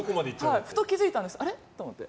ふと気づいたんですあれ？と思って。